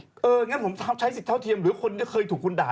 อย่างนั้นผมใช้สิทธิ์เท่าเทียมหรือคนที่เคยถูกคุณด่า